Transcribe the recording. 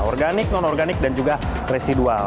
organik non organik dan juga residual